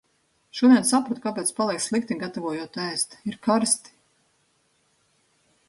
Šodien sapratu, kāpēc paliek slikti, gatavojot ēst, - ir karsti!